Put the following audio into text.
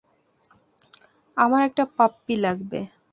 আমার একটা পাপ্পি লাগবে।